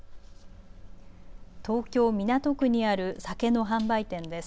東京港区にある酒の販売店です。